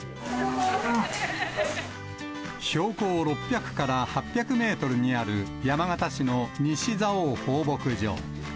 標高６００から８００メートルにある、山形市の西蔵王放牧場。